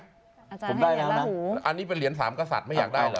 อาจารย์ให้เหรียญลาหูอันนี้เป็นเหรียญ๓กษัตริย์ไม่อยากได้เหรอ